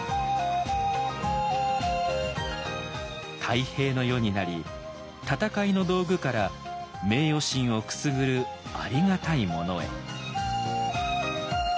太平の世になり戦いの道具から名誉心をくすぐるありがたいものへ。